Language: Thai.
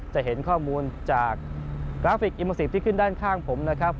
จะเห็นข้อมูลจากกราฟิกอิโมซิกที่ขึ้นด้านข้างผมนะครับ